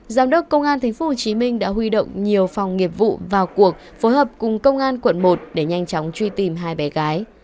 giám đốc công an tp hcm đã huy động nhiều phòng nghiệp vụ vào cuộc phối hợp cùng công an quận một để nhanh chóng truy tìm hai bé gái